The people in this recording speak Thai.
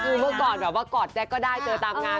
คือเมื่อก่อนแบบว่ากอดแจ๊กก็ได้เจอตามงาน